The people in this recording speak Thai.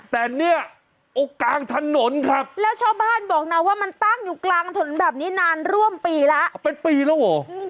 แต่เนี่ยโอ้กลางถนนครับแล้วชาวบ้านบอกนะว่ามันตั้งอยู่กลางถนนแบบนี้นานร่วมปีแล้วเป็นปีแล้วเหรอ